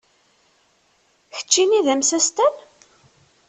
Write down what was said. Keččini d amsestan?